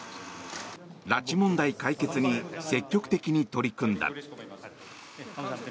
拉致問題解決に積極的に取り組んだ。